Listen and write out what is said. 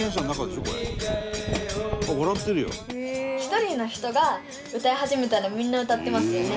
１人の人が歌い始めたらみんな歌ってますよね。